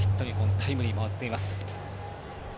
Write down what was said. タイムリーも打っています。